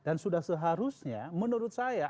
dan sudah seharusnya menurut saya